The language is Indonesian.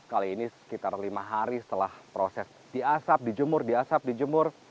kali ini sekitar lima hari setelah proses diasap dijemur diasap dijemur